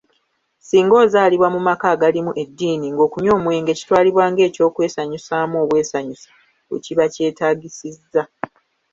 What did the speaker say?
Singa ozaalibwa mu maka agalimu eddiini ng'okunywa omwenge kitwalibwa ng'ekyokwesanyusaamu obwesanyusa, wekiba kyetaagisizza.